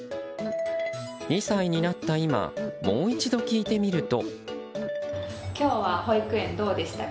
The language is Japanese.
２歳になった今もう一度聞いてみると。